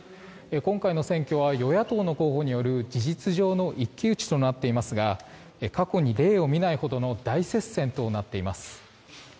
今回の選挙は与野党の候補による事実上の一騎打ちとなっていますが過去に例を見ないほどの大接戦となっています。